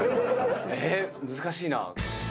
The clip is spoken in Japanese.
えっ難しいな。